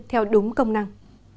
theo đúng công năng